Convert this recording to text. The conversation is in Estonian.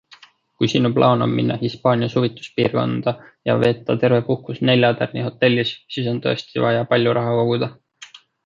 Kui sinu plaan on minna Hispaania suvituspiirkonda ja veeta terve puhkus neljatärnihotellis, siis on tõesti vaja palju raha koguda.